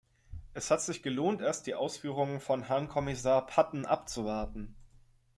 Es hat sich gelohnt, erst die Ausführungen von Herrn Kommissar Patten abzuwarten.